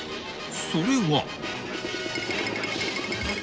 ［それは］